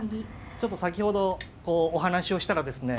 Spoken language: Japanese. ちょっと先ほどお話をしたらですね